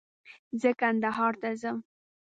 زه کندهار ته ځم